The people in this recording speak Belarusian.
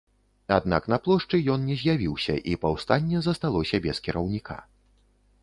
Аднак на плошчы ён не з'явіўся, і паўстанне засталося без кіраўніка.